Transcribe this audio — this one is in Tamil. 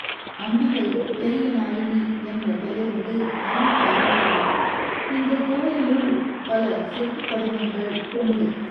அம்பிகை பெரிய நாயகி என்ற பெயரோடு அருள் பாலிக்கிறாள், இந்தக் கோயிலுள் பல செப்புப் படிமங்கள் உண்டு.